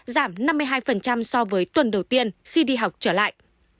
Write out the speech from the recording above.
giảm năm mươi hai so với tuần đầu tiên khi đi học trở lại